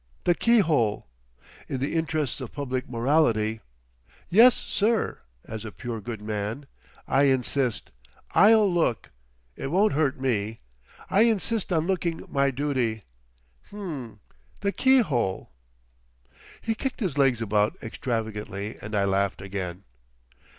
The keyhole! In the interests of public morality—yes, Sir, as a pure good man—I insist—I'll look—it won't hurt me—I insist on looking my duty—M'm'm—the keyhole!'" He kicked his legs about extravagantly, and I laughed again.